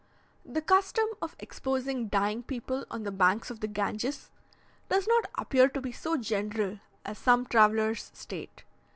The custom of exposing dying people on the banks of the Ganges, does not appear to be so general as some travellers state.